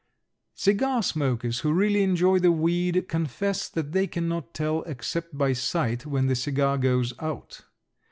Cigar smokers who really enjoy the weed confess that they cannot tell except by sight when the cigar goes out.